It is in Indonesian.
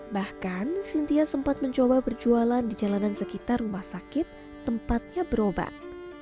bahkan cynthia sempat mencoba berjualan di jalanan sekitar rumah sakit tempatnya berobat